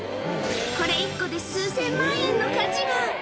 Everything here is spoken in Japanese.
これ１個で数千万円の価値が。